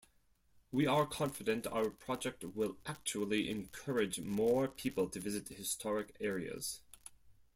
We are confident our project will actually encourage more people to visit historic areas.